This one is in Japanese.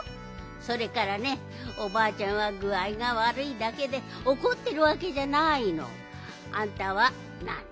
それからねおばあちゃんはぐあいがわるいだけでおこってるわけじゃないの。あんたはなんにもわるくないよ。